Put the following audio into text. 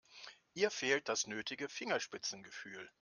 Ihr fehlt das nötige Fingerspitzengefühl.